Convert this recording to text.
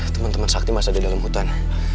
teman teman sakti masih ada di dalam hutan